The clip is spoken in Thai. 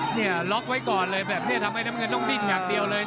เนี่ยล็อกไว้ก่อนเลยแบบเนี้ยทำไมต้องดิ้นหนักเดียวเลย